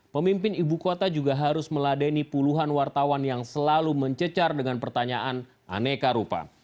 pemimpin ibu kota juga harus meladeni puluhan wartawan yang selalu mencecar dengan pertanyaan aneka rupa